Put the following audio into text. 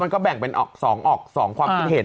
มันก็แบ่งเป็น๒ความคิดเหตุ